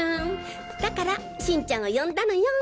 だから新ちゃんを呼んだのよ！